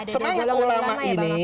semangat ulama ini